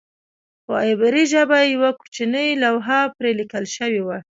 په عبري ژبه یوه کوچنۍ لوحه پرې لیکل شوې وه.